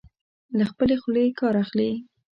له خپلې خولې کار اخلي.